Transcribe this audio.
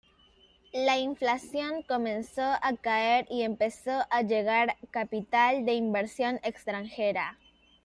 La inflación comenzó a caer y empezó a llegar capital de inversión extranjera.